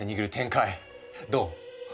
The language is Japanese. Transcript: どう？